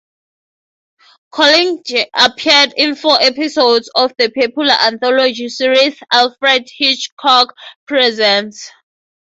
Collinge appeared in four episodes of the popular anthology series "Alfred Hitchcock Presents".